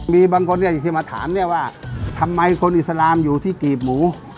มีบางคนที่มาถามว่าทำไมคนอิสลามอยู่ที่กรีบหมู